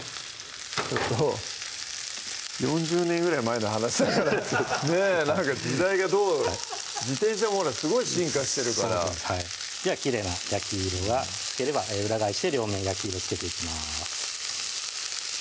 ちょっと４０年ぐらい前の話なんでねぇなんか時代がどう自転車もほらすごい進化してるからではきれいな焼き色がつければ裏返して両面焼き色をつけていきます